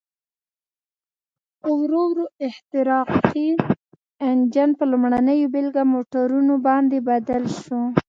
خو ورو ورو احتراقي انجن په لومړنیو بېلګه موټرونو باندې بدل شو.